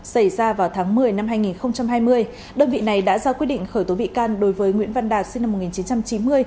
xảy ra vào tháng một mươi năm hai nghìn hai mươi đơn vị này đã ra quyết định khởi tố bị can đối với nguyễn văn đạt sinh năm một nghìn chín trăm chín mươi